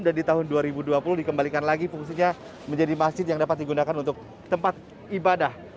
dan di tahun dua ribu dua puluh dikembalikan lagi fungsinya menjadi masjid yang dapat digunakan untuk tempat bersejarah